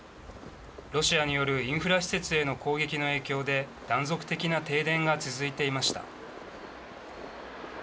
ロシアによるインフラ施設への攻撃の影響で断続的な停電が続いていました。